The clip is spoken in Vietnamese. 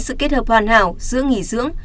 sự kết hợp hoàn hảo giữa nghỉ dưỡng